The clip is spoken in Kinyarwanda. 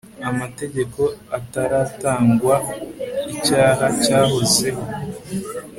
amategeko ataratangwa icyaha cyahozeho